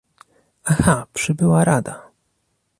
Aha, przybyła Rada!